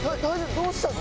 どうしたの？